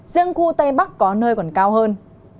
riêng khu tây bắc có nơi còn cao hơn